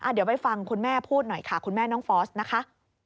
เดี๋ยวไปฟังคุณแม่พูดหน่อยค่ะคุณแม่น้องฟอสนะคะ